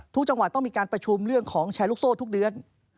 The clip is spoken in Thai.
จังหวัดต้องมีการประชุมเรื่องของแชร์ลูกโซ่ทุกเดือน